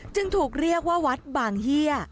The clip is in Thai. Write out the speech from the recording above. จึงถูกเรียกว่าวัดบางเฮีย